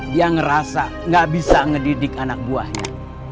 dia ngerasa gak bisa ngedidik anak buahnya